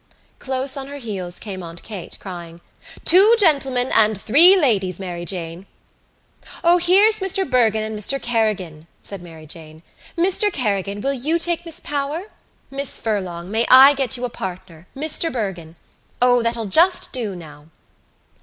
Close on her heels came Aunt Kate, crying: "Two gentlemen and three ladies, Mary Jane!" "O, here's Mr Bergin and Mr Kerrigan," said Mary Jane. "Mr Kerrigan, will you take Miss Power? Miss Furlong, may I get you a partner, Mr Bergin. O, that'll just do now."